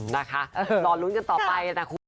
นะคะรอลุ้นกันต่อไปนะคุณ